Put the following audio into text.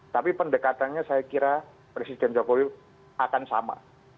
tapi pendekatannya saya kira presiden jokowi akan sama